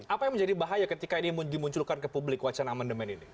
apa yang menjadi bahaya ketika ini dimunculkan ke publik wacana amandemen ini